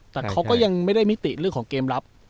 แต่เขาก็ยังไม่ได้มิติเรื่องของเกมรับ